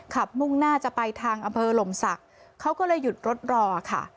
มุ่งหน้าจะไปทางอำเภอหลมศักดิ์เขาก็เลยหยุดรถรอค่ะ